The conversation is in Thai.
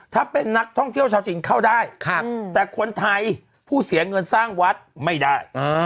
ถ้าเป็นนักท่องเที่ยวชาวจีนเข้าได้แต่คนไทยผู้เสียเงินสร้างวัดไม่ได้